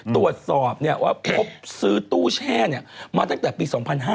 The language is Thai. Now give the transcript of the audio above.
ตรวจสอบว่าพบซื้อตู้แช่มาตั้งแต่ปี๒๕๕๙